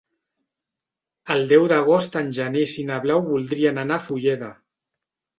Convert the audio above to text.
El deu d'agost en Genís i na Blau voldrien anar a Fulleda.